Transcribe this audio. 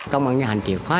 công an huyện triệt phá